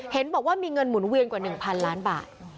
เห็นบอกว่ามีเงินหมุนเวียนกว่า๑๐๐ล้านบาท